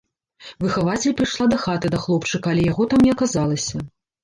Выхавацель прыйшла дахаты да хлопчыка, але яго там не аказалася.